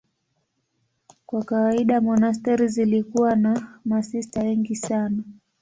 Kwa kawaida monasteri zilikuwa na masista wengi sana.